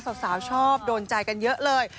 สาวชอบโดนใจกันเยอะเลย